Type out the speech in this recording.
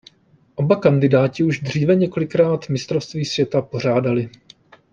Oba kandidáti už dříve několikrát mistrovství světa pořádali.